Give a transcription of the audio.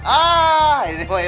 ah ini mah ya